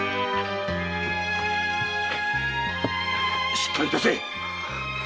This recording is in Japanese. しっかりいたせ！